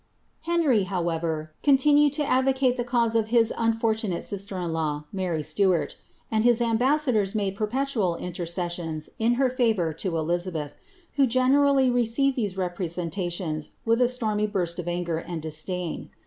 * Henry, however, continued to advocate the cause of his unforiunale sister in law, Mary Stuart; and his amba» sadors made perpetual intercessions in her favour to Elizabeth, who generally received these representations with a storniy burst of anger and disdain.